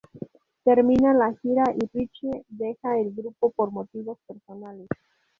Termina la gira y "Richie" deja el grupo por motivos personales.